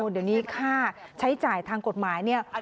ตอนนี้ค่าใช้จ่ายทางกฎหมาย